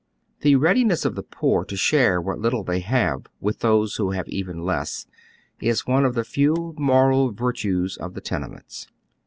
Tlte readiness o£ the poor to share what little they have with those wJio have even less is one of the few moral virtues of the tenements.